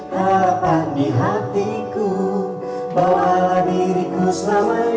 harapan di hatiku bawalah diriku selamanya